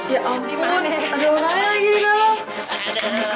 ya ampun ada orang lagi di dalam